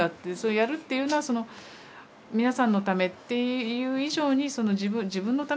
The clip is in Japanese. やるっていうのはその皆さんのためっていう以上に自分のためですよね。